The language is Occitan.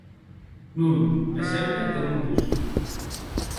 Non, me semble que non posqui.